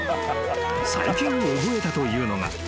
［最近覚えたというのが］